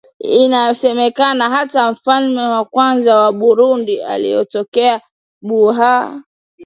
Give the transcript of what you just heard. Inasemekana hata mfalme wa kwanza wa burundi alitokea buha